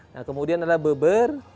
nah kemudian ada beber